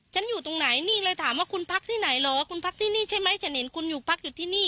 อยู่ตรงไหนนี่เลยถามว่าคุณพักที่ไหนเหรอคุณพักที่นี่ใช่ไหมฉันเห็นคุณอยู่พักอยู่ที่นี่